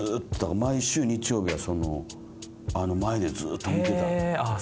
毎週日曜日は前でずっと見てたの。